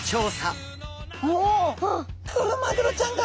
うおクロマグロちゃんが！